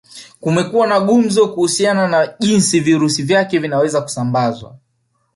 Kumekuwa na gumzo kuhusiana na jinsi virusi vyake vinavyoweza kusambazwa